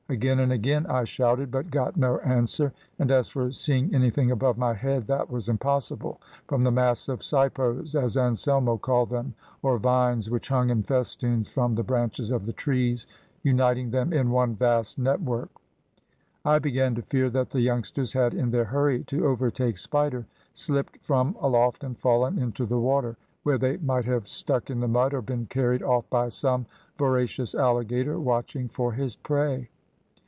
Again and again I shouted, but got no answer, and as for seeing anything above my head, that was impossible, from the mass of sipos, as Anselmo called them, or vines, which hung in festoons from the branches of the trees, uniting them in one vast network. I began to fear that the youngsters had, in their hurry to overtake Spider, slipt from aloft and fallen into the water, where they might have stuck in the mud, or been carried off by some voracious alligator watching for his prey.